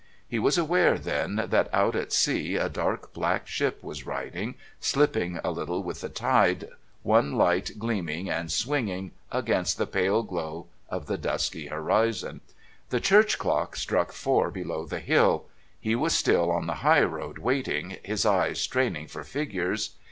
He was aware then that out at sea a dark, black ship was riding, slipping a little with the tide, one light gleaming and swinging against the pale glow of the dusky horizon. The church clock struck four below the hill; he was still on the high road waiting, his eyes straining for figures...